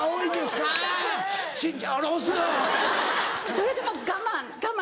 それでも我慢我慢